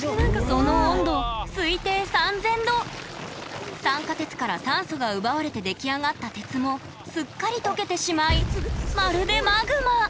その温度酸化鉄から酸素が奪われて出来上がった鉄もすっかり溶けてしまいまるでマグマ！